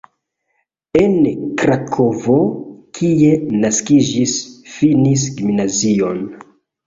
En Krakovo, kie naskiĝis, finis gimnazion.